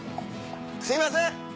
すいません！